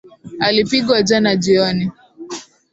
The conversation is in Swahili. Alipigwa jana jioni.